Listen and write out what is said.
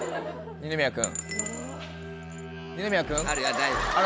二宮君。